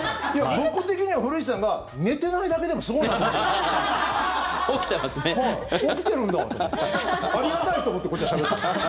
僕的には古市さんが寝てないだけでもすごいなと思ってる。